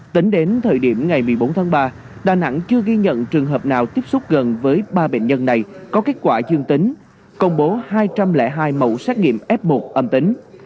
tính đến thời điểm ngày một mươi bốn tháng ba đà nẵng chưa ghi nhận trường hợp nào tiếp xúc gần với ba bệnh nhân này có kết quả dương tính công bố hai trăm linh hai mẫu xét nghiệm f một âm tính